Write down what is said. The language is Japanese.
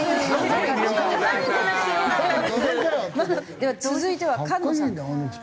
では続いては菅野さん。